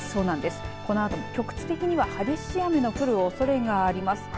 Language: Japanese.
このあと局地的には激しい雨が降るおそれがあります。